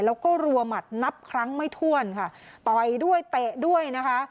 แล้วก็รัวหมัดนับครั้งไม่ถ้วนค่ะต่อยด้วยเตะด้วยนะคะ